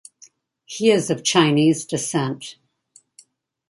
He is of Chinese descent.